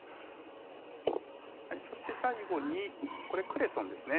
はいそして最後にこれクレソンですね